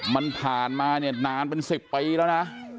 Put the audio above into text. มันผ่านมาเนี่ยนานเป็น๑๐ปีแล้วนะ